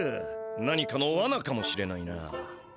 何かのワナかもしれないな。